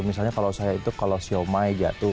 misalnya kalau saya itu kalau siomay jatuh